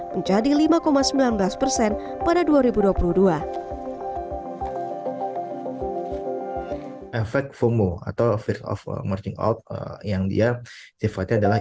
menjadi lima sembilan belas persen pada dua ribu dua puluh dua efek fomo atau fear of emerging out yang dia sifatnya adalah